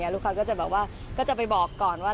ลูกค้าก็จะไปบอกก่อนว่า